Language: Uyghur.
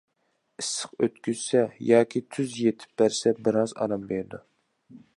ئىسسىق ئۆتكۈزسە ياكى تۈز يېتىپ بەرسە بىرئاز ئارام بېرىدۇ.